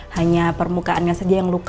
hanya permukaannya saja yang luka